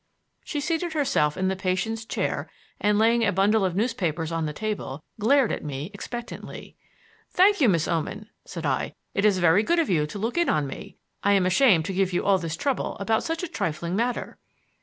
She seated herself in the patients' chair and laying a bundle of newspapers on the table, glared at me expectantly. "Thank you, Miss Oman," said I. "It is very good of you to look in on me. I am ashamed to give you all this trouble about such a trifling matter."